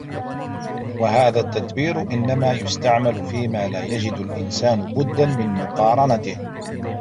وَهَذَا التَّدْبِيرُ إنَّمَا يُسْتَعْمَلُ فِيمَا لَا يَجِدُ الْإِنْسَانُ بُدًّا مِنْ مُقَارَنَتِهِ